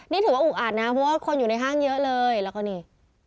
นี่ถือว่าอุกอาดนะเพราะว่าคนอยู่ในห้างเยอะเลยแล้วก็นี่